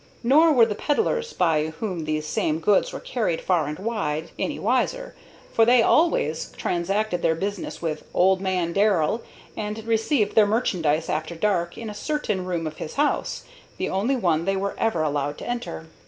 Nor were the peddlers, by whom these same goods were carried far and wide, any wiser, for they always transacted their business with "old man" Darrell, and received their merchandise after dark, in a certain room of his house, the only one they were ever allowed to enter.